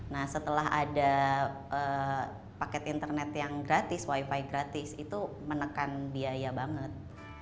nah setelah ada paket internet yang gratis wifi gratis itu menekan biaya banget